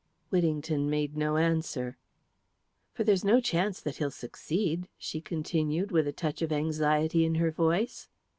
Whittington made no answer. "For there's no chance that he'll succeed," she continued with a touch of anxiety in her voice.